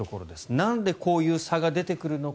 なんでこういう差が出てくるのか。